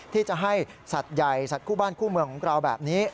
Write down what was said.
ที่จะให้สัตว์ใหญ่สัตว์คู่บ้านคู่เมืองของเราแบบนี้